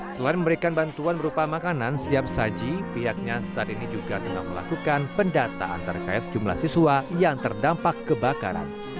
selain memberikan bantuan berupa makanan siap saji pihaknya saat ini juga tengah melakukan pendataan terkait jumlah siswa yang terdampak kebakaran